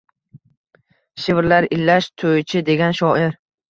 Shivirlar Ilash Toʻychi degan shoir.